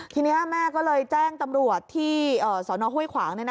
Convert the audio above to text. ทีนี้แม่ก็เลยแจ้งตำรวจที่สนห้วยขวาง